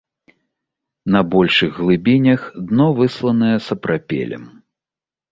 На большых глыбінях дно высланае сапрапелем.